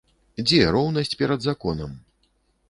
Дзе роўнасць перад законам?